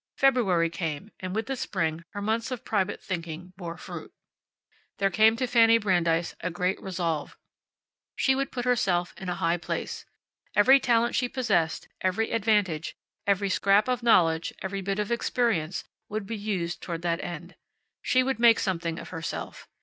February came, and with the spring her months of private thinking bore fruit. There came to Fanny Brandeis a great resolve. She would put herself in a high place. Every talent she possessed, every advantage, every scrap of knowledge, every bit of experience, would be used toward that end. She would make something of herself.